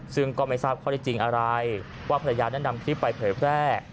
ซึ่งก็ไม่ทราบข้อได้จริงอะไรว่าภรรยานั้นนำคลิปไปเผยแพร่